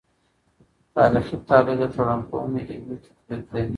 تاریخي تحلیل د ټولنپوهنې علمي تطبیق دی.